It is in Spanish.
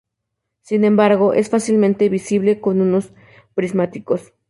Sin embargo, es fácilmente visible con unos prismáticos.